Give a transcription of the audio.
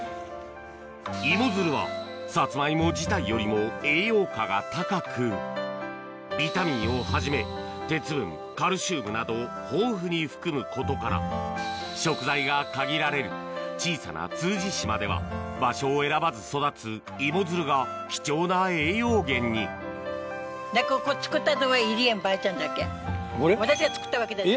芋づるはさつまいも自体よりも栄養価が高くビタミンをはじめ鉄分カルシウムなどを豊富に含むことから食材が限られる小さな通詞島では場所を選ばず育つ芋づるが貴重な栄養源に私が作ったわけじゃない。